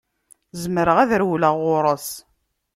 Zemreɣ ad rewleɣ ɣur-s.